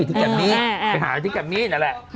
ไปหาอย่างนี้กับมีนนั่นแหละ